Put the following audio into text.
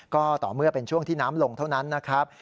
ก็ต่อเมื่อเป็นช่วงที่น้ำลงเท่านั้นนะครับ